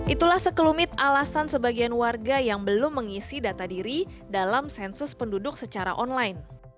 itulah sekelumit alasan sebagian warga yang belum mengisi data diri dalam sensus penduduk secara online